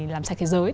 làm sạch thế giới